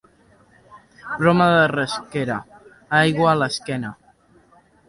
Broma de Rasquera, aigua a l'esquena.